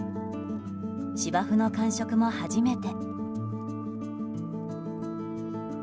芝生の感触も初めて。